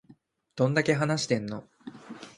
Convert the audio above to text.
どんだけ話してんの